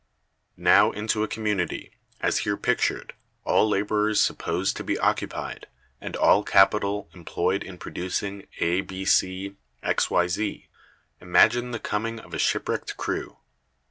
Now into a community, as here pictured, all laborers supposed to be occupied, and all capital employed in producing A, B, C, ... X, Y, Z, imagine the coming of a shipwrecked crew.